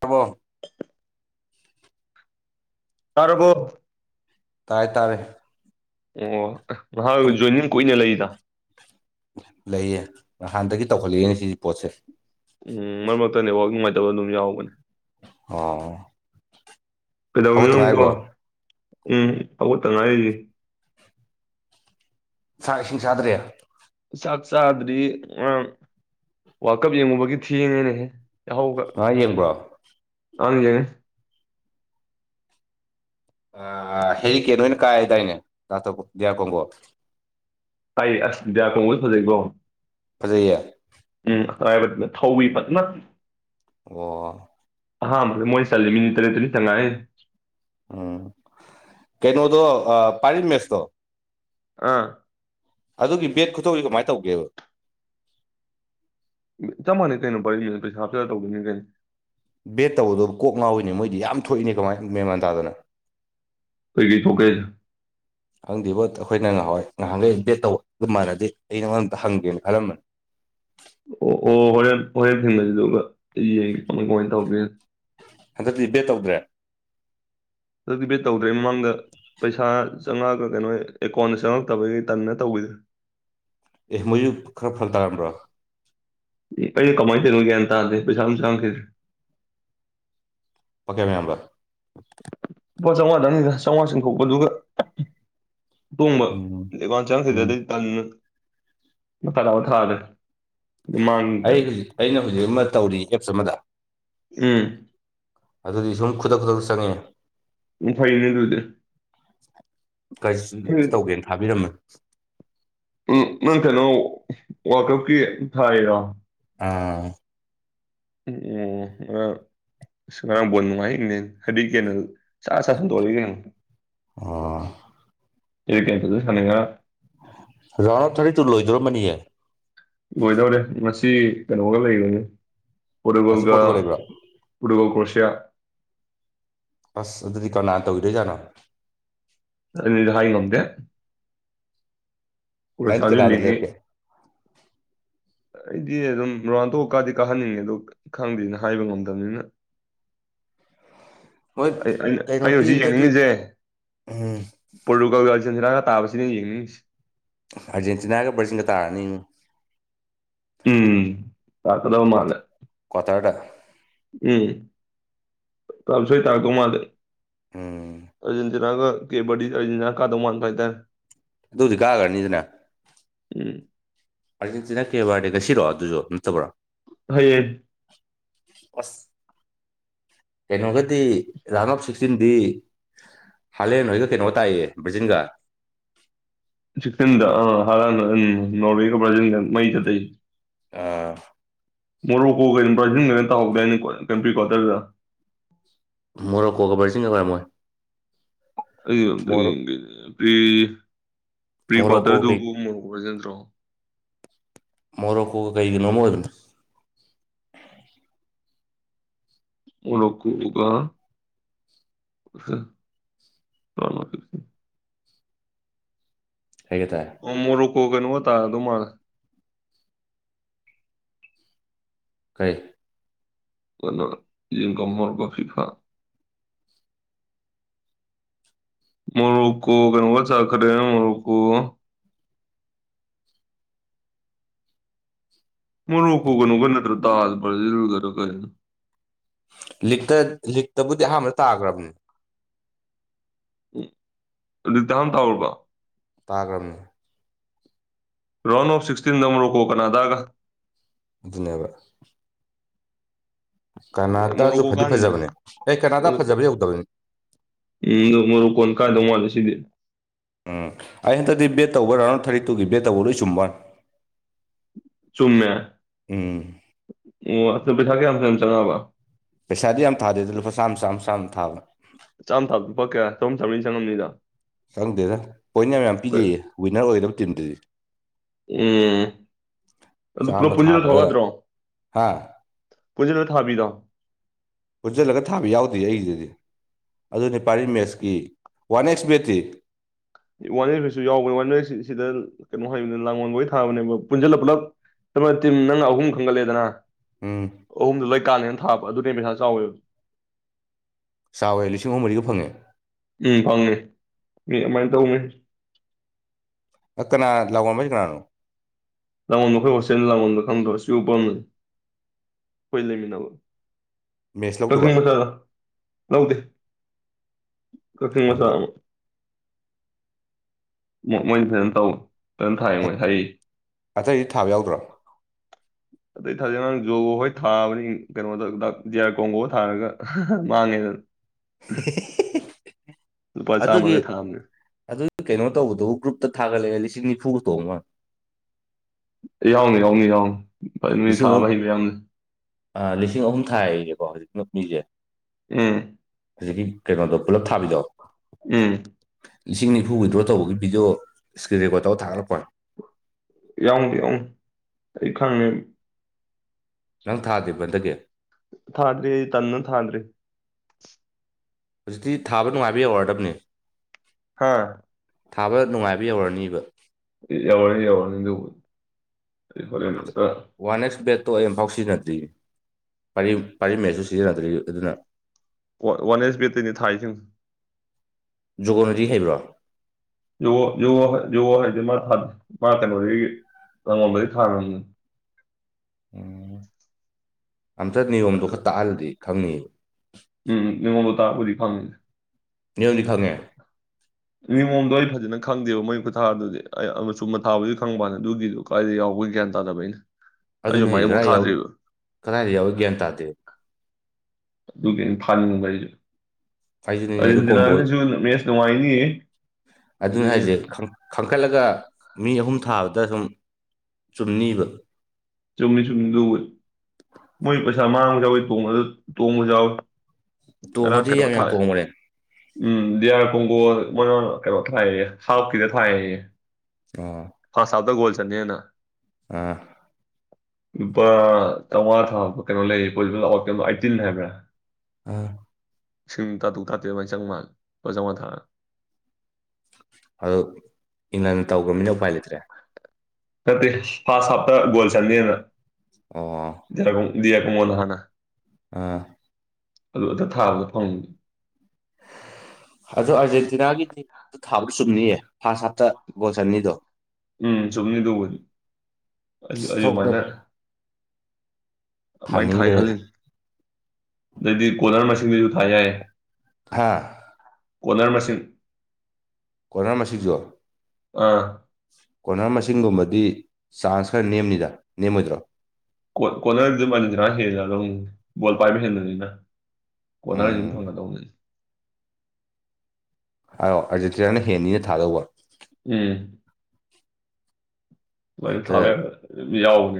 ꯇꯕꯣ ꯇꯔꯒꯣ ꯇꯥꯏ ꯇꯥꯔꯦ ꯑꯣ ꯃꯍꯥꯛ ꯑꯗꯨꯝ ꯖꯣꯏꯅꯤꯡ ꯀꯨꯏꯅ ꯂꯩꯗ ꯂꯩꯌꯦ ꯅꯍꯥꯟꯗꯒꯤ ꯇꯧꯈꯠꯂꯛꯏꯅꯦ ꯁꯤꯒꯤ ꯄꯣꯠꯁꯦ ꯎꯝ ꯃꯔꯛ ꯃꯔꯛꯇꯅꯦ ꯋꯥꯛ ꯅꯨꯡꯉꯥꯏꯇꯕ ꯑꯗꯨꯝ ꯌꯥꯎꯕꯅꯦ ꯑꯣ ꯀꯩꯗꯧꯔꯤꯅꯣ ꯍꯥꯎꯗ ꯅꯪꯕꯣ ꯉꯥꯏꯕ ꯎꯝ ꯐꯕꯨꯠꯇ ꯉꯥꯏꯁꯤ ꯁꯥ ꯏꯁꯤꯡ ꯆꯥꯗ꯭ꯔꯦ ꯆꯥꯛ ꯆꯥꯗꯗꯤ ꯉꯔꯥꯡ ꯋꯥꯔꯀꯞ ꯌꯦꯡꯉꯨꯕꯒꯤ ꯊꯦꯡꯉꯦꯅꯦꯍꯦ ꯑ ꯌꯦꯡꯕ ꯑꯥꯡ ꯑ ꯍꯦꯛ ꯀꯦ ꯅꯣꯏꯅ ꯀꯥꯏ ꯇꯥꯏꯅꯦ ꯌꯥ ꯀꯣꯒꯣ ꯑꯩ ꯑꯁ ꯗ꯭ꯌꯥ ꯈꯣꯡꯕꯁꯨ ꯐꯖꯩꯀꯣ ꯐꯖꯌꯦ ꯥꯏꯕ ꯊꯧꯕꯋꯤ ꯐ ꯅ [unintelligible] ꯑꯣ ꯑꯥ ꯃꯣꯏꯅꯤꯁꯂ ꯃꯤꯅꯤꯇꯔꯦ ꯇꯔꯤ ꯊꯉꯥꯏꯦ ꯎꯝ ꯀꯩꯅꯣꯗꯣ ꯄꯥꯔꯤ ꯃꯦꯁꯇꯣ ꯑꯥ ꯑꯗꯨꯒꯤ ꯚꯦꯠ ꯈꯨꯇꯧꯁꯤ ꯀꯃꯥꯏꯅ ꯇꯧꯒꯦꯕ ꯆꯞ ꯃꯥꯟꯅꯩ ꯀꯩꯅꯣ ꯄꯔꯤ ꯄꯩꯁꯥ ꯍꯥꯞꯆꯤꯂꯒ ꯇꯧꯗꯣꯏꯅꯤ ꯀꯩꯅꯣ ꯕꯦꯠ ꯇꯧꯕꯗꯣ ꯀꯣꯛ ꯉꯥꯎꯏꯅꯦ ꯃꯣꯏꯗꯤ ꯌꯥꯝ ꯊꯣꯛꯏꯅꯦ ꯀꯃꯥꯏ ꯃꯦꯟꯃꯥꯟ ꯇꯥꯗꯅ ꯀꯩꯀꯩ ꯊꯣꯛꯀꯦ ꯍꯥꯏꯁꯦ ꯈꯪꯗꯦꯕꯣ ꯑꯩꯈꯣꯏꯅ ꯉꯍꯥ ꯋꯥꯏ ꯉꯍꯥꯟꯈꯩ ꯕꯦꯠ ꯇꯧꯕ ꯑꯗꯨ ꯃꯥꯟꯅꯗꯤ ꯑꯩ ꯅꯉꯣꯟ ꯑꯝꯇ ꯍꯪꯒꯦꯅ ꯈꯜꯂꯝꯕꯅꯤ ꯑꯣ ꯑꯣ ꯍꯣꯔꯦꯟ ꯍꯣꯔꯦꯟ ꯊꯦꯡꯅꯁꯤꯗꯨ ꯑꯗꯨꯒ ꯌꯦꯡꯒꯦ ꯀꯃꯥꯏꯅ ꯇꯧꯕꯒ ꯍꯟꯗꯛꯇꯤ ꯕꯦꯠ ꯇꯧꯗ꯭ꯔꯦ ꯕꯦꯠ ꯇꯧꯗ꯭ꯔꯦ ꯃꯃꯥꯡꯗ ꯄꯩꯁꯥ ꯆꯪꯉꯛꯑꯒ ꯀꯩꯅꯣ ꯑꯦꯀꯥꯎꯟꯗ ꯆꯪꯉꯛꯇꯕꯈꯩ ꯇꯟꯗꯅ ꯇꯧꯕꯈꯤꯗ꯭ꯔꯦ ꯑꯦ ꯃꯣꯏꯁꯨ ꯈꯔ ꯐꯜ ꯇꯥꯔꯝꯕ꯭ꯔꯣ ꯑꯩꯁꯨ ꯀꯃꯥꯏ ꯇꯧꯔꯤꯅꯣ ꯒꯌꯥꯟ ꯇꯥꯗ ꯄꯩꯁꯥ ꯃꯇꯥ ꯆꯉꯛꯇꯔ꯭ꯦ ꯀꯌꯥꯝ ꯌꯥꯝꯕ ꯂꯨꯄꯥ ꯆꯥꯝꯃꯉꯥꯗꯥꯪꯅꯤꯗ ꯆꯥꯝꯃꯉꯥ ꯆꯤꯡꯊꯣꯛꯄ ꯑꯗꯨꯒ ꯇꯣꯡꯕ ꯎꯝ ꯂꯩ ꯋꯥꯣꯟ ꯎꯝ ꯆꯪꯁꯤꯗꯩ ꯇꯟꯅ ꯃꯈꯥ ꯇꯥ ꯊꯥꯔꯦ ꯑꯩ ꯃꯥꯡꯗꯟ ꯍꯧꯖꯤꯛ ꯑꯩꯅ ꯍꯧꯖꯤꯛ ꯑꯃ ꯇꯧꯔꯤ ꯑꯦꯞꯁ ꯑꯃꯗ ꯎꯝ ꯑꯗꯨꯗꯤ ꯁꯨꯝ ꯈꯨꯗꯛ ꯈꯨꯗꯛ ꯆꯪꯉꯦ ꯎꯝ ꯐꯩꯅꯦ ꯑꯗꯨꯗꯤ ꯀꯔꯅꯥꯖꯤꯠꯁꯨ ꯇꯧꯒꯦꯅ ꯊꯥꯕꯤꯔꯝꯃ [inaudible] ꯎꯝ ꯅꯪ ꯀꯩꯅꯣ ꯋꯥꯀꯞꯀꯤ ꯊꯥꯏꯔꯣ ꯑꯥ ꯎꯝ ꯑ ꯑ ꯉꯔꯥꯡꯝꯕꯣꯟ ꯅꯨꯡꯉꯥꯏꯅꯦ ꯍꯥꯏꯗꯤ ꯀꯦꯅ ꯁꯥꯥꯛ ꯆ ꯁꯟꯗꯣꯛꯏ ꯀꯩꯅꯣ ꯑꯣ ꯀ ꯀ ꯑꯗꯨ ꯁꯅꯤꯡꯉ ꯔꯥꯎꯟꯗ ꯑꯣꯐ ꯊꯔꯇꯤ ꯇꯨ ꯂꯣꯏꯗꯣꯔꯝꯃꯅꯤꯌꯦ ꯂꯣꯏꯗꯧꯔꯦ ꯃꯁꯤ ꯀꯩꯅꯣꯒ ꯂꯩꯕꯅꯤ ꯉꯁꯤ ꯄꯣꯔꯇꯨꯒꯣꯜꯒ ꯄꯣꯔꯇꯨꯒꯜ ꯂꯩꯕ꯭ꯔꯣ ꯀꯔꯣꯁꯤꯌꯥ ꯑꯁ ꯑꯗꯨꯗꯤ ꯀꯅꯥ ꯇꯧꯗꯣꯏꯖꯥꯠꯅꯣ ꯍꯥꯏ ꯉꯝꯗꯦ ꯅꯪꯗꯤ ꯀꯔꯣꯁꯤꯌꯥꯁꯗꯨ ꯀꯅꯥꯗ ꯂꯤꯡꯉꯤ ꯂꯦꯞꯀꯦ ꯑꯩꯗꯤ ꯑꯗꯨꯝ ꯔꯣꯅꯥꯟꯟꯗꯣ ꯀꯥꯗꯤ ꯀꯥꯍꯟꯅꯤꯡꯉꯦ ꯑꯗꯣ ꯈꯪꯗꯦꯅ ꯍꯥꯏꯕ ꯉꯝꯗꯕꯅꯤꯅ [unintelligible] ꯃꯣꯏ ꯑꯩꯅ ꯀꯩꯅꯣ ꯍꯧꯖꯤꯛ ꯄꯤꯕꯗꯗꯤ ꯌꯦꯡꯅꯤꯡꯉꯁꯦ ꯎꯝ ꯄꯣꯔꯇꯨꯒꯜꯒ ꯑꯔꯒꯦꯟꯇꯤꯅꯥ ꯇꯥꯕꯁꯤꯅ ꯌꯦꯡꯅꯤꯡ ꯉꯤꯁꯤ ꯑꯥꯔꯖꯦꯟꯇꯤꯅꯥꯒ ꯕꯔꯖꯤꯜꯒ ꯇꯥꯔꯅꯤ ꯎꯝ ꯇꯥꯔꯛꯀꯗꯕ ꯃꯥꯜꯂꯦ ꯀꯥꯇꯔꯗ ꯀꯊꯔ [unintelligible] ꯎꯝ ꯇꯥꯗꯤ ꯁꯣꯏ ꯇꯥꯔꯥꯛꯇꯣꯏ ꯃꯥꯟꯗꯦ ꯎꯝ ꯑꯗꯨ [unintelligible] ꯑꯗꯨꯗꯤ ꯀꯥꯈ꯭ꯔꯅꯤꯗꯅ ꯎꯝ ꯑꯥꯔꯖꯦꯟꯇꯤꯅꯥ ꯀꯦꯕꯥꯔꯗꯤ ꯉꯁꯤꯔꯣꯑꯣ ꯑꯗꯨꯁꯨ ꯅꯠꯇꯕ꯭ꯔꯥ ꯍꯌꯦꯡ ꯑꯁ ꯀꯩꯅꯣꯒꯗꯤ ꯔꯧꯟꯗ ꯑꯣꯐ ꯁꯤꯛꯇꯤꯟꯗꯤ ꯍꯂꯦꯟꯒ ꯀꯩꯅꯣ ꯇꯥꯏꯌꯦ ꯕ꯭ꯔꯖꯤꯟꯒ ꯁꯤꯗ ꯑ ꯍꯥꯔ ꯎꯝ ꯅꯣ ꯀ꯭ꯔ ꯃꯩ ꯆ [unintelligible] ꯑꯥ ꯃꯣꯔꯣꯛ ꯀꯣꯛ ꯀ ꯄ꯭ꯔꯥꯏꯟ ꯀꯔꯤ ꯇꯧꯍꯧꯗꯅꯤ ꯀꯟꯇ꯭ꯔꯤ ꯀ꯭ꯋꯥꯇꯔꯗ ꯃꯣꯔꯣꯀꯣ ꯀꯕꯔꯁꯤꯡ ꯀꯈꯔꯦ ꯃꯣꯏ ꯑꯩ ꯑꯣꯝꯇ ꯌꯦꯡꯒꯦꯅꯦꯔꯤ ꯄ꯭ꯔꯤ ꯃꯣꯔꯣꯀꯣ ꯀꯩ ꯀ꯭ꯋꯥꯇꯔꯗꯨꯕꯨ ꯭ꯔꯣ ꯃꯣꯔꯣ ꯀꯣꯒ ꯀꯩꯒꯤꯅꯣꯃꯔ ꯎꯅ ꯀ ꯎꯒ ꯁ ꯀꯩ ꯍꯥꯏꯇꯥꯔꯦ ꯃꯔꯨ ꯀꯣꯒꯩꯅ ꯋꯥꯇꯥ ꯑꯗꯨꯨꯃꯔ ꯀꯩ ꯀꯣ ꯖꯤ ꯀꯝꯃꯔꯒ ꯐꯤꯐꯥ ꯃꯔꯨꯀꯣ ꯀꯪꯒ ꯆꯈꯔꯦ ꯃꯔꯨꯀꯣ ꯃ ꯔꯣꯀꯣꯒꯅꯨꯒ ꯅꯠꯇ꯭ꯔ ꯇꯥꯁꯒꯔ ꯀ ꯂꯤꯛꯇ ꯂꯤꯛꯇꯕꯨꯗꯤ ꯑꯍꯥꯟꯕꯗ ꯇꯥꯈ꯭ꯔꯕꯅꯤ ꯎꯗ ꯍꯥꯟ ꯇꯎꯔꯔꯕ ꯇꯥꯈ꯭ꯔꯕꯅꯤ ꯔꯥꯎꯟ ꯑꯣꯐ ꯁꯤꯛꯁꯇꯤꯟ ꯅꯝꯕꯔꯣ ꯀꯣ ꯀꯅꯥꯗꯥꯒ ꯑꯗꯨꯅꯦꯕ ꯀꯅꯥꯇꯥꯁꯨ ꯃꯣꯔꯣꯛꯀꯣ ꯐꯗꯤ ꯀꯥꯅꯤꯗ ꯐꯖꯕꯅꯦ ꯑꯦ ꯀꯅꯥꯗꯥ ꯐꯖꯕꯗꯤ ꯌꯧꯗꯕꯅꯤ ꯎꯝ ꯃꯔꯨꯀꯣꯟ ꯀꯥꯏꯗꯣ ꯃꯥꯗ ꯁꯤꯗꯤ ꯎꯝ ꯑꯩ ꯍꯟꯗꯛꯇꯤ ꯕꯦꯠ ꯇꯧꯕ ꯔꯥꯎꯟ ꯊꯥꯔꯇꯤ ꯇꯨꯒꯤ ꯕꯦꯠ ꯇꯧꯕ ꯂꯣꯏ ꯁꯨꯝꯕꯟ ꯆꯨꯝꯃꯦ ꯑꯣ ꯑ ꯊꯥ ꯀ ꯐ ꯆꯉꯕ ꯄꯩꯁꯥꯗꯤ ꯌꯥꯝ ꯊꯥꯗꯦꯗ ꯂꯨꯄꯥ ꯆꯥꯝꯃ ꯆꯥꯝ ꯆꯥꯝ ꯊꯥꯕ ꯆꯥꯝ ꯊꯥꯄ ꯀꯌꯥ ꯆꯝ ꯊꯅꯤꯅ ꯆꯪꯂꯝꯝꯅꯤꯗ ꯈꯪꯗꯦꯗ ꯄꯣꯏꯟ ꯌꯥꯝ ꯌꯥꯝ ꯄꯤꯖꯩꯌꯦ ꯋꯤꯟꯅꯔ ꯑꯣꯏꯗꯕ ꯇꯤꯝꯗꯨꯗꯤ ꯎꯝ ꯑꯗꯨ ꯄꯣ ꯄꯨꯖꯤ ꯊꯋꯥꯗ꯭ꯔꯣ ꯍꯥ ꯄꯨꯖꯅ ꯊꯥꯕꯤꯗꯥ ꯄꯨꯟꯁꯤꯜꯂꯒ ꯊꯥꯕ ꯌꯥꯎꯗꯦ ꯑꯩꯒꯤꯗꯗꯤ ꯑꯗꯨꯅꯦꯄꯥꯔꯤ ꯃꯁꯀꯤ ꯋꯥꯟ ꯑꯦꯛꯁ ꯕꯇ꯭ꯔꯤ ꯋꯥꯟꯔꯁꯤꯁꯨ ꯌꯥꯎꯕꯅꯦ ꯋꯥꯟ ꯁꯤꯗ ꯀꯩꯅꯣ ꯍꯥꯏꯕꯅꯤꯅ ꯂꯥꯡꯜꯕꯩ ꯊꯥꯕꯅꯦꯕ ꯄꯨꯟꯁꯤꯜꯂ ꯄꯨꯂꯞ ꯅꯪꯅ ꯑꯍꯨꯝ ꯈꯪꯒꯠꯂꯦꯗꯅ ꯎꯝ ꯑꯍꯨꯝꯗꯨ ꯂꯣꯏ ꯀꯥꯂꯦꯅ ꯊꯥꯕ ꯑꯗꯨꯅꯦ ꯄꯩꯁꯥ ꯆꯥꯎꯋꯦ ꯆꯋꯏ ꯂꯤꯁꯤꯡ ꯍꯨꯝ ꯃꯔꯤꯒ ꯐꯪꯉꯦ ꯎꯝ ꯐꯪꯉꯦ ꯃꯤ ꯑꯗꯨꯃꯥꯏꯅ ꯇꯧꯅꯤ ꯑ ꯀꯅꯥ ꯂꯥꯎꯑꯣꯕ ꯀꯅꯥꯅꯣ ꯂꯃꯟꯗꯈꯩ ꯍꯣꯁ ꯂꯃꯟꯗ ꯈꯪꯗꯁꯤ ꯎ ꯄꯥꯝꯅ ꯐꯣꯏ ꯂꯩꯃꯤꯟꯅꯕ ꯃꯦꯠꯁ ꯂꯧꯗꯕ ꯇꯖꯅꯤ ꯃꯁꯂ ꯂꯎꯗ ꯀ ꯃꯁ ꯈꯪꯗꯦ ꯑꯃ ꯃꯣꯏꯗꯤ ꯐꯖꯅ ꯇꯧꯋ ꯑꯇꯩꯗꯤ ꯊꯥꯕ ꯌꯥꯎꯗ꯭ꯔꯣ ꯑꯗꯩ ꯊꯥꯖꯛꯅꯥꯡ ꯖꯣꯒ ꯍꯣꯏ ꯊꯥꯕꯅꯤ ꯀꯩꯅꯣꯗ ꯖꯤꯌꯥꯔ ꯀꯣꯡꯒꯣ ꯊꯥꯔꯒ ꯃꯥꯡꯉꯦꯗꯅ [inaudible] ꯂꯨꯄꯥ ꯑꯗꯨꯒꯤ ꯆꯥꯝꯃꯒ ꯊꯥꯕꯅꯦ ꯑꯗꯨꯒꯤ ꯀꯩꯅꯣ ꯇꯧꯕꯗꯨꯕꯨ ꯒ꯭ꯔꯨꯞꯇ ꯊꯥꯒꯠꯂꯛꯒ ꯂꯤꯁꯤꯡ ꯆꯅꯤ ꯐꯨꯒꯇꯣ ꯑꯃ ꯃꯤ ꯂꯤꯁꯤꯡ ꯑꯍꯨꯝ ꯊꯥꯕ ꯍꯕ ꯌꯥꯝꯅꯤ ꯂꯤꯁꯤꯡ ꯑꯍꯨꯝ ꯊꯥꯏꯅꯦꯀꯣ ꯍꯧꯖꯤꯛ ꯃꯤꯁꯦ ꯎꯝ ꯍꯧꯖꯤꯛꯀꯤ ꯀꯩꯅꯣꯗꯣ ꯄꯨꯜꯂꯞ ꯊꯥꯕꯤꯌꯛꯑꯣ ꯎꯝ ꯂꯤꯁꯤꯡꯅꯤꯐꯨ ꯋꯤꯗ꯭ꯔꯣ ꯇꯧꯕꯒꯤ ꯚꯗꯤꯑꯣ ꯏꯁꯀ꯭ꯔꯤꯟ ꯔꯦꯀꯣꯔꯗ ꯇꯧ ꯊꯒꯠꯂꯛꯄꯅꯦ ꯌꯥꯎ ꯌꯥꯎ ꯑꯩ ꯈꯪꯉ ꯅꯪ ꯊꯥꯗꯦꯕꯟꯗꯗꯤ ꯊꯥꯗ꯭ꯔꯤ ꯇꯟꯅ ꯊꯥꯗ꯭ꯔꯤ ꯍꯧꯖꯤꯛꯇꯤ ꯊꯥꯕ ꯅꯨꯡꯉꯥꯏꯕ ꯌꯥꯏ ꯑꯣꯏꯔꯗꯕꯅꯦ ꯍꯥꯥ ꯊꯥꯕ ꯅꯨꯡꯉꯥꯏꯕ ꯌꯧꯔꯅꯤꯕ ꯌꯥꯋꯥꯅꯤ ꯌꯥꯋꯥꯅꯤꯗꯧꯕ ꯑꯩ ꯐꯦꯅꯠꯇ ꯇꯣ ꯑꯐꯥꯎ ꯁꯤꯖꯤꯟꯅꯗ꯭ꯔꯤ ꯄꯥꯔꯤ ꯃꯠꯁꯨ ꯁꯤꯖꯤꯟꯅꯗ꯭ꯔꯤ ꯑꯗꯨꯅ ꯋꯥꯟ ꯑꯦꯁ ꯕꯦꯠꯇꯔꯤꯅꯤ ꯊꯥꯁꯤꯡ ꯖꯒꯣꯅꯇꯤ ꯍꯩꯕ꯭ꯔꯥ ꯌ ꯊ ꯃꯥ ꯀꯩꯅꯣ ꯔ ꯑꯉꯣ ꯂꯩꯩ ꯊꯒ ꯎꯝ ꯑꯝꯇ ꯅꯤꯌꯣꯝꯗꯣ ꯈꯔ ꯇꯥꯛꯍꯂꯗꯤ ꯈꯪꯅꯤꯕ ꯅꯤꯡꯅꯤꯉꯂꯇ ꯋꯥꯔꯤ ꯐꯪ ꯅꯅꯤꯌꯨ ꯂꯈꯥꯡꯒꯦ ꯅꯤꯉꯣꯝꯗꯣ ꯑꯩ ꯐꯖꯅ ꯈꯪꯗꯦꯕ ꯃꯩ ꯈꯨꯊꯥꯗꯨꯗꯤ ꯑꯩ ꯃꯆꯨꯝ ꯃ ꯊꯥꯕꯗꯤ ꯈꯪꯕꯅꯤ ꯑꯗꯨꯒꯤꯁꯨ ꯀꯥꯏ ꯌꯥꯎꯕꯒꯤ ꯒ꯭ꯌꯥꯟ ꯇꯥꯗꯕ ꯑꯩꯅ ꯑꯩꯁꯨ ꯑꯗꯨꯅ ꯑꯩꯖꯤꯛ ꯑꯗꯨꯃꯥꯏꯅꯐꯥꯎ ꯀꯗꯥꯏꯎ ꯊꯥꯗ꯭ꯔꯤꯕ ꯀꯗꯥꯏꯗ ꯌꯥꯎꯋ ꯒ꯭ꯌꯥꯟ ꯇꯥꯗꯦ ꯑꯗꯨꯒꯤꯩꯅ ꯊꯥꯅꯤꯡꯕ ꯑꯩꯁꯨ ꯑꯩꯁꯨꯅꯤꯅꯦ ꯑꯗꯨ ꯑꯥꯔꯖꯦꯟꯇꯤꯅꯥꯒꯁꯨ ꯃꯦꯁ ꯅꯨꯡꯉꯥꯏꯅꯤꯌꯦ ꯑꯗꯨꯅꯤ ꯍꯥꯏꯁꯦ ꯄꯈꯠꯂꯒ ꯃꯤ ꯑꯍꯨꯝ ꯊꯥꯕꯗ ꯁꯨꯝ ꯆꯨꯝꯅꯤꯕ ꯆꯨꯝꯅꯤ ꯆꯨꯝꯅꯤ ꯂꯋ ꯃꯣꯏ ꯄꯩꯁꯥ ꯃꯥꯡꯕ ꯌꯥꯎꯋꯤ ꯇꯣꯡꯕꯁꯨ ꯌꯥꯎꯋꯤ ꯑꯔ ꯇꯣꯡꯉꯗꯤ ꯀꯩꯅꯣ ꯌꯥꯝ ꯌꯥꯝ ꯊꯥꯏ ꯇꯣꯡꯕꯅꯦ ꯎꯝ ꯌꯥꯔꯄꯨꯒꯣ ꯃꯣꯏꯅ ꯀꯩꯅꯣ ꯊꯥꯏꯌꯦ ꯍꯥꯞꯈꯤꯗ ꯊꯥꯏꯌꯦ ꯑ ꯐꯥꯟ ꯁꯥꯕꯗꯒꯣꯜ ꯆꯦꯅ ꯑ ꯇꯋꯥ ꯊꯥꯕ ꯀꯩꯅꯣ ꯂꯩꯇꯤꯟ ꯍꯥꯏꯕ꯭ꯔꯥ ꯑꯥ ꯁꯤꯡ ꯇꯥꯇꯨ ꯇꯥꯇꯦ ꯃꯥꯏ ꯆꯪ ꯃꯥꯜ ꯄꯖꯉ ꯊꯥꯛ ꯑꯣ ꯏꯍꯅ ꯇꯧꯈ꯭ꯔꯃꯤꯅ ꯎꯄꯥꯏ ꯂꯩꯇ꯭ꯔꯦ ꯐ ꯍꯥ ꯍꯥꯞꯇ ꯣꯜ ꯆꯅꯤ ꯍꯥꯏꯅ ꯑ ꯗꯌꯥ ꯀꯃꯣꯜ ꯍꯅ ꯑꯥ ꯑꯗꯨ ꯑꯗ ꯊꯥꯕꯒ ꯐꯪꯒꯦ ꯑꯗ ꯑꯥꯔꯖꯦꯟꯇꯤꯅꯥꯒꯤ ꯇꯤꯝ ꯊꯥꯕ ꯆꯨꯝꯅꯤꯌꯦ ꯐꯥꯁꯥꯁꯇꯠꯇ ꯒꯣꯁꯅꯤꯗꯣ ꯑꯨ ꯃꯅꯦ ꯑꯗꯨꯃꯥꯏꯅ ꯊꯥꯏ ꯊꯥꯅꯤꯡꯈ꯭ꯔꯦꯗ ꯈꯜꯂꯤ ꯑꯗꯩꯗꯤ ꯀꯣꯂꯔ ꯃꯁꯤꯡꯁꯤꯁꯨ ꯊꯥ ꯌꯥꯏ ꯍꯥꯥ ꯀꯣꯅꯔ ꯃꯁꯤꯡꯁꯤꯟ ꯑꯣꯅ ꯃꯁꯤꯁꯨ ꯑꯥ ꯀꯣꯅꯔ ꯃꯁꯤꯡꯒꯨꯝꯕꯗꯤ ꯆꯥꯟꯁ ꯈꯔ ꯅꯦꯝꯅꯤꯗ ꯅꯦꯝꯃꯣꯏꯗ꯭ꯔꯣ ꯀꯣꯔꯅꯔ ꯑꯗꯨꯝ ꯑꯅꯤꯁꯤꯔꯥ ꯍꯦꯜꯂꯦ ꯑꯗꯨꯝ ꯕꯣꯜ ꯄꯥꯏꯕ ꯍꯦꯟꯕꯅꯤꯅ ꯀꯣꯅꯥꯔꯤꯁꯤꯡ ꯎꯝ ꯊꯧꯅꯥ ꯇꯧꯅ ꯍꯥꯏꯑꯣ ꯑꯔꯖꯦꯟꯇꯤꯔꯅ ꯍꯦꯅꯤꯅ ꯊꯥꯗꯧꯕ ꯎꯝ ꯑꯗ ꯊꯦ ꯌꯥꯑꯣ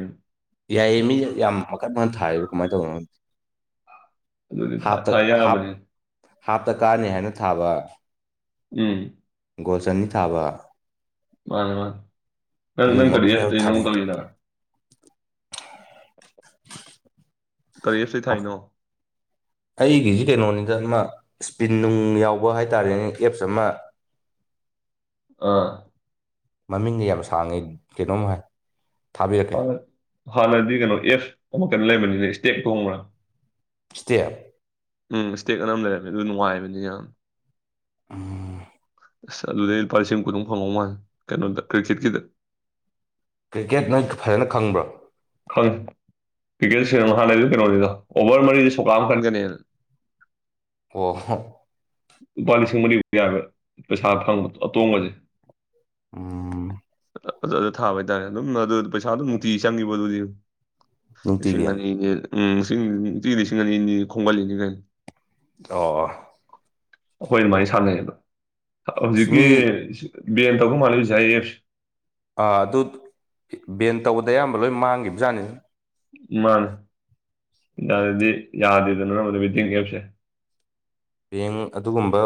[unintelligible] [inaudible] ꯌꯥꯏꯌꯦ ꯃꯤ ꯌꯥꯝ ꯃꯈꯟ ꯃꯈꯟ ꯊꯥ ꯀꯃꯥꯏꯅ ꯇꯧꯅꯣ ꯑꯗꯨꯗꯤ ꯊꯥ ꯍꯥꯞꯇ ꯊꯥ ꯌꯥꯕꯅꯤ ꯍꯞ ꯀꯥꯅꯤ ꯍꯥꯏꯅ ꯊꯥꯕ ꯎꯝ ꯒꯣꯜ ꯆꯅꯤ ꯊꯥꯕ ꯃꯥꯅꯦ ꯃꯥ ꯀ ꯅꯪ ꯑꯗꯨꯒꯨꯝꯕ ꯃꯌꯥꯝ ꯀꯗꯤꯁꯇꯅ ꯊꯥꯅꯩ ꯀꯗ ꯀꯔꯤꯦꯞꯁꯤ ꯊꯥꯏꯅꯣ ꯑꯩꯒꯤꯁꯤ ꯀꯩꯅꯣꯅꯤꯗ ꯑꯃ ꯏꯁꯄꯤꯟ ꯅꯨꯡ ꯌꯥꯎꯕ ꯍꯥꯏꯇꯥꯥꯔꯦꯅꯦ ꯑꯦꯞꯁ ꯑꯃ ꯑꯥ ꯃꯃꯤꯡꯗꯤ ꯌꯥꯝ ꯁꯥꯡꯉꯤ ꯀꯩꯅꯣꯝ ꯍꯥꯏ ꯊꯥꯕꯤꯔꯛꯀꯦ ꯍꯥꯟꯅꯗꯤ ꯀꯩꯅꯣ ꯑꯦꯐ ꯑꯃ ꯀꯩꯅ ꯂꯩꯕꯅꯤꯅ ꯏꯁꯇꯦꯦꯛ ꯈꯣꯡꯕ꯭ꯔꯥ ꯁꯤꯇꯦꯌꯥ ꯎꯝ ꯏꯁꯇꯦꯛ ꯑꯅꯝ ꯂꯩꯔꯝꯃꯦ ꯑꯗꯨ ꯅꯨꯡꯉꯥꯏꯕꯅꯤ ꯌꯥꯝ ꯑꯝ ꯑꯁ ꯑꯗꯨꯗꯩ ꯂꯨꯄꯥꯁꯤꯡ ꯈꯨꯗꯝ ꯐꯪꯉꯧ ꯃꯥꯜ ꯀꯩꯅꯣꯗ ꯀ꯭ꯔꯤꯛꯀꯦꯠꯀꯤꯗ ꯀ꯭ꯔꯤꯀꯦꯠꯅꯣꯏ ꯐꯖꯅ ꯈꯪꯕ꯭ꯔꯥ ꯈꯪ ꯀ꯭ꯔꯤꯛꯀꯦꯠ ꯍꯥꯟꯅꯩꯗꯤ ꯀꯩꯅꯣꯅꯤꯗ ꯑꯣꯚꯔ ꯃꯔꯤꯁ ꯁꯣꯛꯄꯥ ꯑꯃ ꯈꯟꯒꯅꯤ ꯑꯣ ꯍ ꯂꯨꯄꯥ ꯂꯤꯁꯤꯡ ꯃꯔꯤ ꯌꯥꯕ ꯄꯩꯁꯥ ꯐꯪꯕꯗ ꯑꯇꯣꯡꯕꯁꯦ ꯎꯝ ꯑꯗꯨ ꯑꯗꯨꯗ ꯊꯥꯕ ꯍꯥꯏꯇꯥꯔꯦ ꯑꯗꯨꯝ ꯑꯗꯨ ꯄꯩꯁꯥ ꯑꯗꯨꯝ ꯅꯨꯡꯇꯤ ꯆꯪꯈꯤꯕ ꯑꯗꯨꯗꯤ ꯅꯨꯡꯇꯤꯒꯤ ꯂꯁꯤꯡꯅꯤ ꯏꯅꯦ ꯎꯝ ꯁꯅꯤ ꯏꯅꯦ ꯈꯣꯡꯕꯥ ꯂꯤꯅꯤꯒꯥꯏ ꯑꯣ ꯑꯩꯈꯣꯏ ꯑꯗꯨꯃꯥꯏꯅ ꯁꯥꯟꯅꯩꯌꯦꯕ ꯑꯁ ꯍꯧꯖꯤꯛꯀꯤ ꯃꯤ ꯕꯦꯟꯇꯥꯎ ꯀꯧꯕ ꯃꯥꯂ ꯖꯥꯏ ꯑꯦꯐ ꯑ ꯑꯗꯨ ꯕꯦꯟ ꯇꯧꯕꯗ ꯑꯌꯥꯝꯕ ꯂꯣꯏ ꯃꯥꯡꯈꯤꯕꯖꯥꯠꯅꯤ ꯃꯥꯅꯦꯗꯤ ꯌꯥꯗꯦꯗꯅ ꯅꯝꯕꯗꯤ ꯋꯤꯇꯤꯡ ꯑꯦꯞꯁꯦ ꯕꯦꯡ ꯑꯗꯨꯒꯨꯝꯕ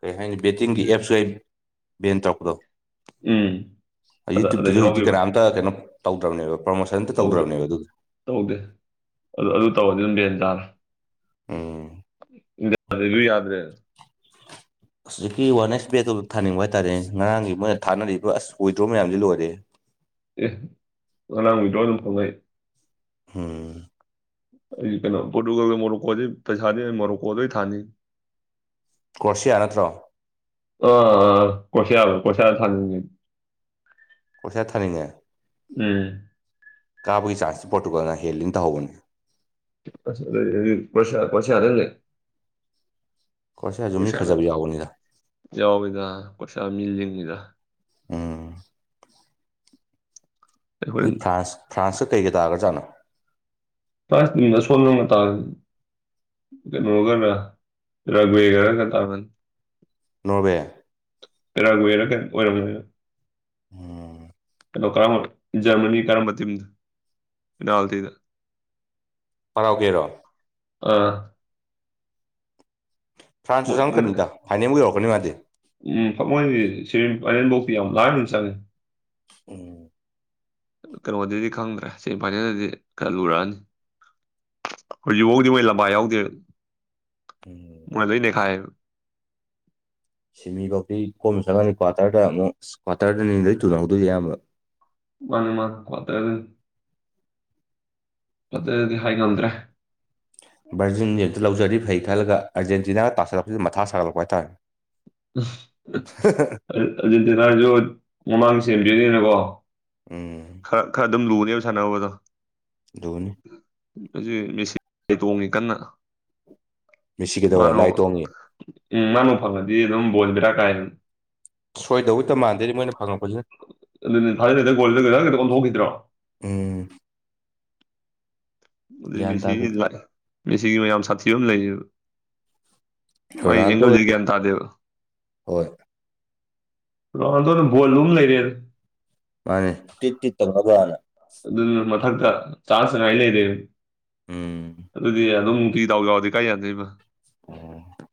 ꯀꯩ ꯍꯥꯏꯅꯤ ꯕꯦꯇꯤꯡꯒꯤ ꯑꯦꯞꯁꯨ ꯑꯩ ꯕꯦꯟ ꯇꯧꯔꯛꯄꯗꯣ ꯎꯝ ꯑꯗ ꯑꯗ ꯌꯨꯇꯌꯨꯕꯇꯁꯨ ꯍꯧꯖꯤꯛꯇꯤ ꯌꯥꯎꯈꯤꯕ ꯀꯅꯥꯝꯇ ꯀꯩꯅꯣ ꯇꯧꯗ꯭ꯔꯕꯅꯦꯕ ꯄ꯭ꯔꯣꯃꯣꯁꯟ ꯑꯝꯇ ꯇꯧꯗꯦ ꯇꯧꯗ꯭ꯔꯕꯅꯦꯕ ꯑꯗꯨꯒꯤ ꯇꯧꯗꯦ ꯑꯗꯨ ꯑꯗꯨ ꯇꯧꯔꯗꯤ ꯑꯗꯨꯝ ꯚꯦꯟ ꯆꯥꯔꯦ ꯎꯝ ꯌꯥꯗ꯭ꯔꯦꯁꯨ ꯌꯥꯗ꯭ꯔꯦ [unintelligible] [inaudible] ꯍꯧꯖꯤꯛꯀꯤ ꯋꯥꯟ ꯑꯦꯁ ꯕꯦꯛꯇꯣ ꯊꯥꯅꯤꯡꯕ ꯍꯥꯏꯇꯥꯥꯔꯦ ꯉꯔꯥꯡꯒꯤ ꯃꯣꯏꯅ ꯊꯥꯅꯔꯤꯕ ꯑꯁ ꯋꯤꯗ꯭ꯔꯣ ꯃꯌꯥꯝꯁꯤ ꯂꯣꯏꯔꯦ ꯑꯦ ꯑꯗꯨꯅꯥꯡ ꯃꯤꯗꯂ ꯑꯗꯨꯝ ꯐꯣꯉꯩ ꯎꯝ ꯑꯩ ꯀꯩꯅꯣ ꯄꯣꯔꯇꯨꯒꯗ ꯃꯔꯣꯔꯣꯛꯀꯣꯗꯩ ꯄꯩꯁꯥꯗꯤ ꯑꯩ ꯃꯔꯣꯔꯣꯛꯀꯣꯗꯩ ꯊꯥꯅꯤꯩ ꯀꯣꯔ꯭ꯔꯣꯁꯤꯌꯥ ꯅꯠꯇ꯭ꯔꯣ ꯑꯥ ꯑꯥ ꯀꯁꯕ ꯀꯁ ꯊꯥꯡ ꯀꯁꯌꯥ ꯊꯥꯉꯦ ꯎꯝ ꯀꯥꯕꯒꯤ ꯆꯥꯟꯁꯇ ꯄꯣꯠꯇꯨꯀꯗꯅ ꯍꯦꯜꯂꯤꯅ ꯇꯧꯍꯧꯕꯅꯤ ꯁ ꯄꯁ ꯄꯁ ꯍꯥꯏꯔ ꯂꯩ ꯀ꯭ꯔꯣꯁꯤꯌꯥꯁꯨ ꯃꯤ ꯀꯁꯅ ꯐꯖꯕ ꯌꯥꯎꯕꯅꯤꯗ ꯌꯥꯋꯥ ꯃꯤꯗ ꯀꯁꯥ ꯃꯤꯜꯖ ꯃꯤꯗ ꯎꯝ ꯑꯗꯨ ꯐ꯭ꯔꯥꯟꯁ ꯐ꯭ꯔꯥꯟꯁꯇ ꯀꯩꯒ ꯇꯥꯒ꯭ꯔꯥꯖꯥꯠꯅꯣ ꯁꯜꯣ ꯇꯥ ꯀꯩꯅꯣꯒ ꯔꯒꯒꯔ ꯀ ꯇ ꯅꯣꯔꯋꯦ ꯇꯦꯔꯥꯒ ꯑꯣꯏꯔ ꯀ ꯑꯣꯏꯔꯝꯔ ꯎꯝ ꯩꯅꯣ ꯀꯔꯝꯕ ꯔꯃꯅꯤ ꯀꯔꯝꯗ ꯍꯔꯥꯎꯒꯦꯔꯣ ꯑꯥ ꯐ꯭ꯔꯥꯟꯁꯇꯁꯨ ꯆꯪꯪꯂꯉꯛꯀꯅꯤꯗ ꯍꯥꯏꯥꯏꯅꯦꯝꯕꯨ ꯌꯧꯔꯛꯀꯅꯤ ꯃꯥꯗꯗꯤ ꯂꯅꯕꯧꯄꯤꯤ ꯌꯥꯝ ꯂꯥꯛꯁꯦ ꯎꯝ ꯀꯩꯅꯣꯗꯗꯤ ꯈꯪꯗ꯭ꯔꯦ ꯁꯦꯃꯤꯐꯥꯏꯅꯦꯜꯗꯗꯤ ꯈꯔ ꯂꯨꯔꯛꯑꯅꯤ ꯍꯧꯖꯤꯛ ꯐꯥꯎꯗꯤ ꯃꯣꯏ ꯂꯝꯕꯥꯏ ꯌꯥꯎꯗꯦ ꯎꯝ ꯃꯣꯏ ꯂꯩꯅꯦꯈꯥꯏ ꯁꯤꯃꯤꯐꯧꯇꯤ ꯀꯣꯝꯅ ꯆꯪꯉꯅꯤ ꯀ꯭ꯋꯥꯇꯔꯗ ꯑꯃꯨꯛ ꯀ꯭ꯋꯥꯇꯔꯗꯅꯤꯗ ꯇꯨꯅꯍꯧꯗꯣꯏꯁ ꯑꯌꯥꯝꯕ ꯋꯥꯅꯤꯃ ꯀꯠꯇ ꯑꯗꯨ ꯑꯗꯨꯗꯨꯗꯒꯤ ꯍꯥꯏꯅꯗ꯭ꯔꯦ ꯕꯔꯖꯖꯤꯦꯟꯅꯤꯌꯝꯇ ꯂꯧꯖꯔꯤꯕ ꯐꯩ ꯈꯜꯂꯒ ꯑꯥꯔꯖꯦꯟꯇꯤꯅꯥꯒ ꯇꯥꯁꯤꯜꯂꯛꯄꯁꯤꯗ ꯃꯊ ꯁꯥꯒꯠꯂꯛꯄ ꯍꯥꯏ ꯇꯇꯥꯔꯦ ꯑꯗꯨ ꯅꯥꯟꯁꯨ ꯃꯃꯥꯡ ꯁꯦꯝꯗ꯭ꯔꯤꯅꯤꯅꯀꯣ ꯎꯝ ꯈꯔ ꯈꯔ ꯑꯗꯨꯝ ꯂꯨꯅꯦꯕ ꯁꯥꯟꯅꯅꯕꯕꯗꯣ ꯗꯣꯅꯤ ꯍꯧ ꯃꯦꯁꯤ ꯇꯣꯡꯉꯤ ꯀꯟꯅ ꯃꯤꯁꯤꯒꯗꯧꯔꯦ ꯃꯥꯅ ꯂꯥꯏ ꯇꯣꯡꯉꯤ ꯎꯝ ꯃꯥꯅꯨ ꯐꯪꯉꯗꯤ ꯑꯗꯨꯝ ꯕꯣꯟꯕꯤꯔꯥ ꯀꯥꯏꯅ ꯁꯣꯏꯗꯧꯇ ꯃꯥꯟꯗꯦꯗꯤ ꯃꯣꯏꯅ ꯐꯪꯉꯛꯄꯁꯤꯅ ꯀꯇꯀꯟꯈꯤꯗ꯭ꯔꯣ ꯎꯝ ꯑꯗꯨ ꯒ꯭ꯌꯥꯟ ꯃꯦꯁꯤꯒꯤ ꯇꯥꯗꯦ ꯃꯦꯁꯤꯒꯤ ꯃꯌꯥꯝ ꯁꯥꯊꯤꯕ ꯑꯃ ꯂꯩꯌꯦꯕ ꯃꯥꯏ ꯔꯣꯅꯥꯜꯗꯣ ꯌꯦꯒ ꯒ ꯇꯥꯗꯦꯕ ꯍꯣꯏ ꯂꯣꯗꯅ ꯕꯣꯜꯂ ꯑꯃ ꯂꯩꯔꯦ ꯃꯥꯅꯤ ꯇꯤ ꯇꯤꯇ ꯂꯒꯂ ꯐꯛꯇ ꯆꯥꯟꯁ ꯉꯥꯏ ꯂꯩꯔꯦ ꯎꯝ ꯑꯗꯨꯗꯤ ꯑꯗꯨꯝ ꯍꯗꯧꯒ ꯑꯣꯗꯤ ꯀꯥꯏ ꯌꯥꯅꯤ ꯑꯣ